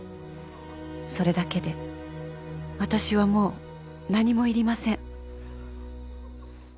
「それだけで私はもう何もいりません」